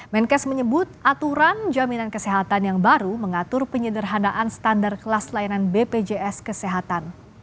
menkes menyebut aturan jaminan kesehatan yang baru mengatur penyederhanaan standar kelas layanan bpjs kesehatan